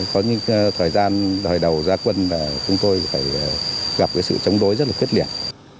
có những thời gian đời đầu gia quân là chúng tôi phải gặp sự chống đối rất là quyết liệt